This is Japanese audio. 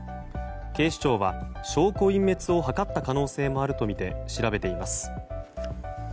警視庁は、証拠隠滅を図った可能性もあるとみて調べています。